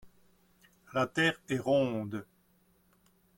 la terre est ronde.